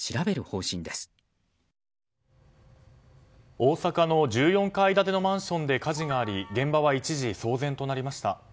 大阪の１４階建てのマンションで火事があり現場は一時、騒然となりました。